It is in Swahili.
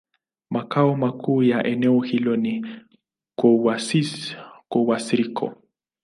Makao makuu ya eneo hilo ni Kouassi-Kouassikro.